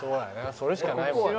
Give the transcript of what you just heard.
それしかないもんね。